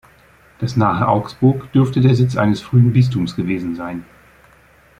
Das nahe Augsburg dürfte der Sitz eines frühen Bistums gewesen sein.